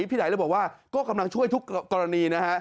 พี่ไหนเลยบอกว่าก็กำลังช่วยทุกกรณีนะฮะ